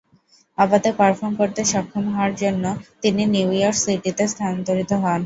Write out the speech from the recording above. অবাধে পারফর্ম করতে সক্ষম হওয়ার জন্য তিনি নিউ ইয়র্ক সিটিতে স্থানান্তরিত হন।